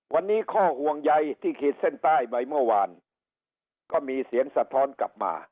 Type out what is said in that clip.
วันนี้ข้อห่วงใยที่ขีดเส้นใต้ไปเมื่อวานก็มีเสียงสะท้อนกลับมา